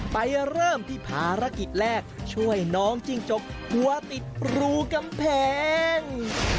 ไปเริ่มที่ภารกิจแรกช่วยน้องจิ้งจกหัวติดรูกำแพง